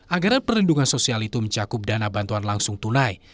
agar perlindungan sosial itu mencakup dana bantuan langsung tunai